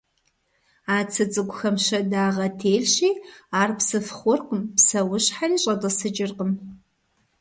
А цы цӀыкӀухэм щэдагъэ телъщи, ар псыф хъуркъым, псэущхьэри щӀэтӀысыкӀыркъым.